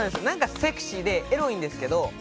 なんかセクシーでエロいんですけど